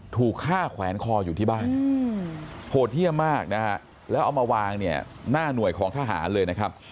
ถูกฆ่าแขวนคออยู่ที่บ้านโหดเยี่ยมมากนะฮะแล้วเอามาวางเนี่ยหน้าหน่วยของทหารเลยนะครับ